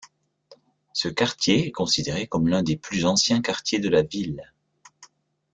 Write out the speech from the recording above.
Ce quartier est considéré comme l'un des plus anciens quartiers de la ville.